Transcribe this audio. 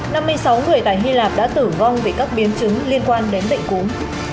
năm mươi sáu người tại hy lạp đã tử vong vì các biến chứng liên quan đến bệnh cúm